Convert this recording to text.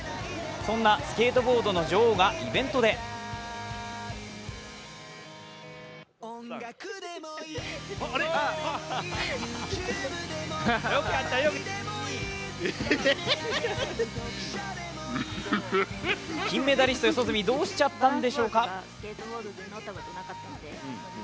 そんなスケートボードの女王がイベントで金メダリスト、四十住、どうしちゃったんでしょうか？